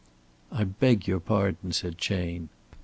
"I beg your pardon," said Chayne.